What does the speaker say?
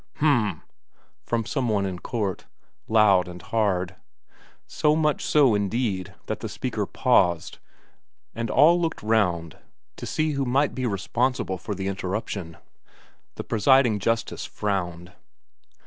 "H'm," from some one in court. Loud and hard so much so, indeed, that the speaker paused, and all looked round to see who might be responsible for the interruption. The presiding justice frowned.